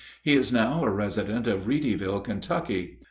He is now a resident of Reedyville, Kentucky.